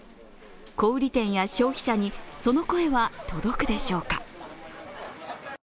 小売店や消費者にその声は届くでしょうか。